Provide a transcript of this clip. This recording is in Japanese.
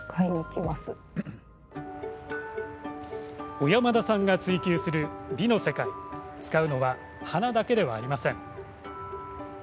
小山田さんが追求する美の世界使うのは花だけではありません。